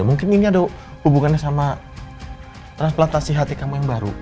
mungkin ini ada hubungannya sama transplantasi hati kamu yang baru